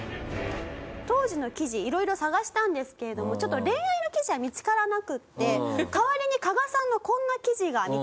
当時の記事色々探したんですけれどもちょっと恋愛の記事は見つからなくて代わりに加賀さんのこんな記事が見つかりました。